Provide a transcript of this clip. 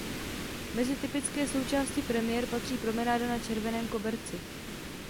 Mezi typické součásti premiér patří promenáda na červeném koberci.